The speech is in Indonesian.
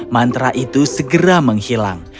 mantra itu segera menghilang